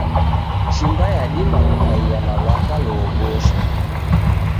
Shimba yadima kukaia na lwaka loobosha